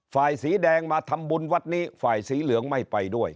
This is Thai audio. สีแดงมาทำบุญวัดนี้ฝ่ายสีเหลืองไม่ไปด้วย